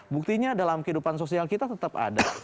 buktinya dalam kehidupan sosial kita tetap ada